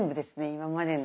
今までの。